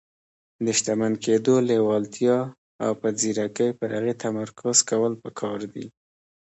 د شتمن کېدو لېوالتیا او په ځيرکۍ پر هغې تمرکز کول پکار دي.